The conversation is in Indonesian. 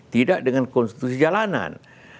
tidak dengan konstitusi jalanan